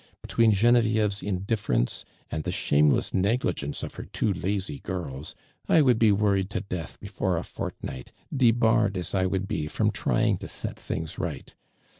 Between Genevieve's indifference, and the shameless negligence of her two lazy girls, I would bo worried to death be fore a fortnight, debarred as I would be i'rom trying to set things right.